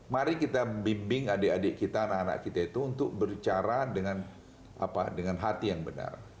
mari kita bimbing adik adik kita anak anak kita itu untuk berbicara dengan hati yang benar